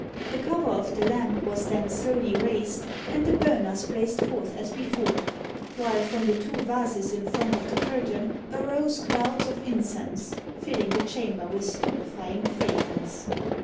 The cover of the lamp was then slowly raised, and the burners blazed forth as before, while from the two vases in front of the curtain arose clouds of incense, filling the chamber with stupefying fragrance.